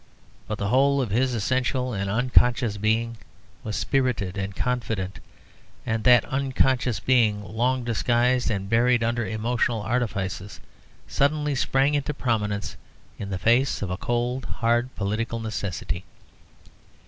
But the whole of his essential and unconscious being was spirited and confident, and that unconscious being, long disguised and buried under emotional artifices, suddenly sprang into prominence in the face of a cold, hard, political necessity.